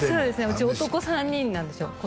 うち男３人なんですよ